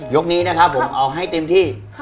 ยกนี้นะครับผมเอาให้เต็มที่